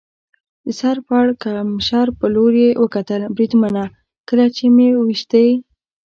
د سر پړکمشر په لور یې وکتل، بریدمنه، کله چې مې وېشتی.